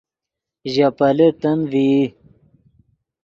ژے پیلے تند ڤئی